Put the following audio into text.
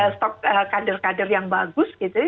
stok kader kader yang bagus gitu ya